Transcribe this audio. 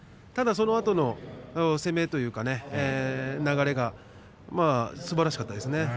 そのあとの攻めというか流れはすばらしかったですね。